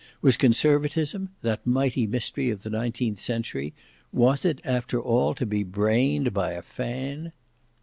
Was Conservatism, that mighty mystery of the nineteenth century—was it after all to be brained by a fan!